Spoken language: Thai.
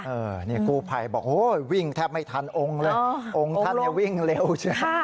เออนี่กู้ไผ่บอกโอ้ยวิ่งแทบไม่ทันองค์เลยองค์ท่านเนี้ยวิ่งเร็วเฉยะ